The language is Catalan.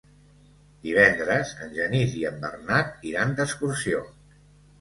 Divendres en Genís i en Bernat iran d'excursió.